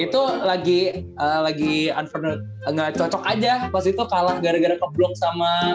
itu lagi lagi unfore gak cocok aja pas itu kalah gara gara keblok sama